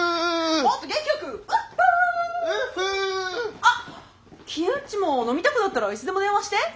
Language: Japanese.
あっキウッチも飲みたくなったらいつでも電話して。